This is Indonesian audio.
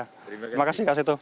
terima kasih kak seto